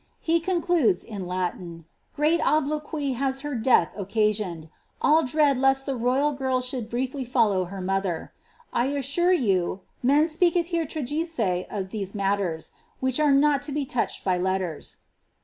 He concludes, in reat obloquy has her death occasioned; all dread lest the should briefly follow her mother ; I assure you men speaketh :e of these matters, which are not to be touched by letters.''